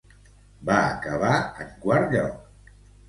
Va acabar en quart lloc.